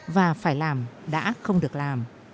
và phải làm đã không được làm